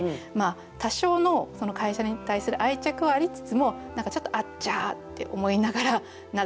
多少の会社に対する愛着はありつつも何かちょっと「あちゃ」って思いながらながめてる。